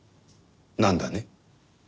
なんだね？